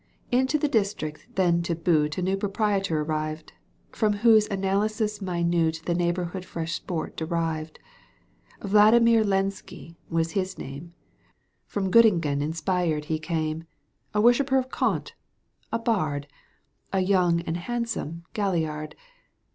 Into the district then to boot A new proprietor arrived, From whose analysis minute The neighbourhood fresh sport derived. Vladimir Lenski was his name, From Gottingen inspired he came, A worshipper of Kant, a bard, A young and handsome galliard.